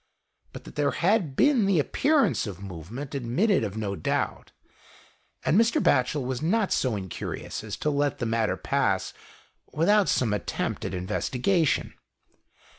But that there had been the appearance of movement admitted of no doubt, and Mr. Batchel was not so incurious as to let the matter pass without some attempt at investigation.